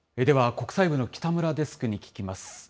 では、国際部の北村デスクに聞きます。